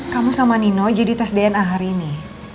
kamu sama nino jadi tes dna hari ini